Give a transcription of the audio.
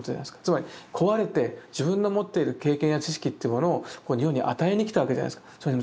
つまり請われて自分の持っている経験や知識っていうものを日本に与えに来たわけじゃないですか。